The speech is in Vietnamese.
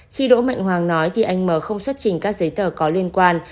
khi đỗ mạnh hoàng nói thì anh m không xuất trình các giấy tờ có liên quan